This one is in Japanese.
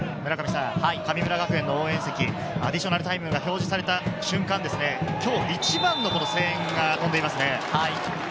神村学園の応援席、アディショナルタイムが表示された瞬間、今日一番の声援が飛んでいますね。